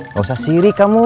gak usah siri kamu